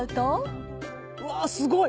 うわすごい。